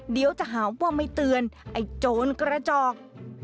เดี๋ยวจะหาว่าไม่เตือนไอ้โจรกระจอก